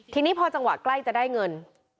ทีนี้พอจังหวะใกล้จะได้เงิน